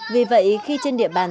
vì vậy khi trên địa bàn